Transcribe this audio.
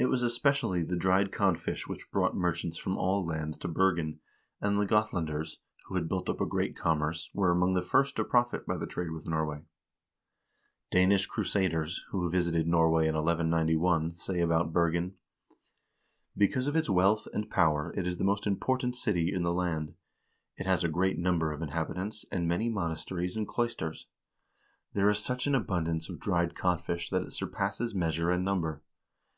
It was especially the dried codfish which brought merchants from all lands to Bergen, and the Gothlanders, who had built up a great commerce, were among the first to profit by the trade with Norway. Danish crusaders who visited Norway in 1191 say about Bergen: "Because of its wealth and power it is the most important city in the land. It has a great number of inhabitants, and many monasteries and cloisters. There is such an abundance of dried codfish that it surpasses measure and number.